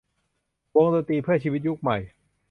วงดนตรีเพื่อชีวิตยุคใหม่